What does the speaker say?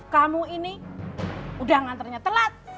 kamu ini udah nganternya telat